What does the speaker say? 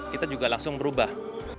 kita juga langsung berubah